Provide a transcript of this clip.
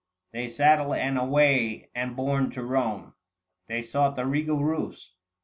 They saddle and away, and borne to Borne, 790 They sought the regal roofs.